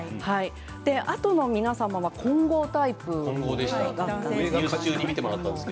あとの皆様は混合タイプだったんです。